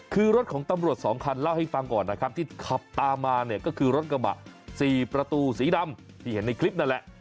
คือรถของตำรวจสองคันเล่าให้ฟังก่อนนะครับที่ขับตามมาเนี่ยก็คือรถกระบะ๔ประตูสีดำที่เห็นในคลิปนั่นแหละ